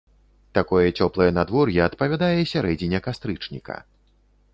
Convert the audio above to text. Такое цёплае надвор'е адпавядае сярэдзіне кастрычніка.